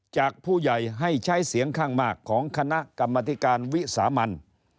จากผู้ใหญ่ให้ใช้เสียงข้างมากของคณะกรรมธิการวิสามัน